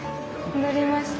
戻りました。